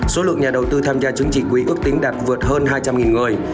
số lượng nhà đầu tư tham gia trứng chỉ quỹ ước tính đạt vượt hơn hai trăm linh người